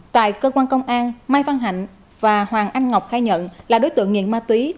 tại cơ quan công an mai văn hạnh và hoàng anh ngọc khai nhận là đối tượng nghiện ma túy